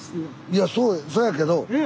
いやそやけどそう。